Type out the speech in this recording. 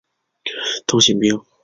通信兵。